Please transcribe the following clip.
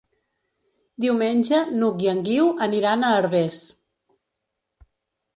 Diumenge n'Hug i en Guiu aniran a Herbers.